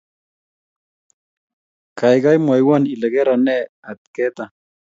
Kaikai mwoiwo ile kero nee atketak